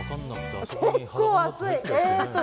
結構熱い！